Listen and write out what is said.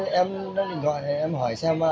anh ơi em lấy điện thoại thì em hỏi xem ạ